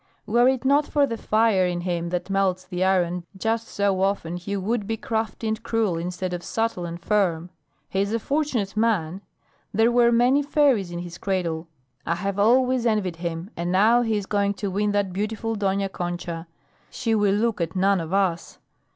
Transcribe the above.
Were it not for the fire in him that melts the iron just so often he would be crafty and cruel instead of subtle and firm. He is a fortunate man! There were many fairies at his cradle! I have always envied him, and now he is going to win that beautiful Dona Concha. She will look at none of us."